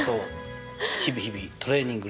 日々日々トレーニング練習です。